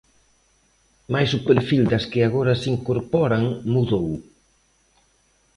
Mais o perfil das que agora se incorporan mudou.